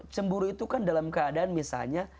cemburu itu kan dalam keadaan misalnya